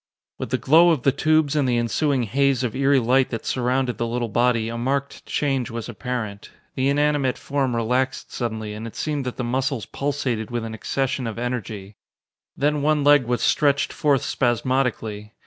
With the glow of the tubes and the ensuing haze of eery light that surrounded the little body, a marked change was apparent. The inanimate form relaxed suddenly and it seemed that the muscles pulsated with an accession of energy. Then one leg was stretched forth spasmodically.